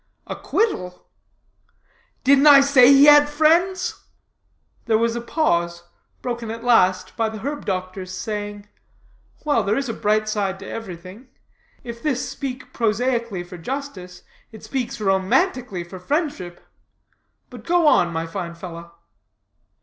"Acquittal?" "Didn't I say he had friends?" There was a pause, broken at last by the herb doctor's saying: "Well, there is a bright side to everything. If this speak prosaically for justice, it speaks romantically for friendship! But go on, my fine fellow."